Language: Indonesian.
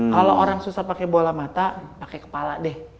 kalau orang susah pakai bola mata pakai kepala deh